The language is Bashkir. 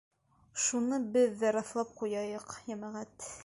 Шуны беҙ ҙә раҫлап ҡуяйыҡ, йәмәғәт.